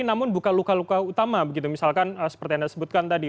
namun bukan luka luka utama begitu misalkan seperti anda sebutkan tadi